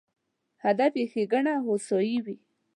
هدف یې ښېګڼه او هوسایي وي.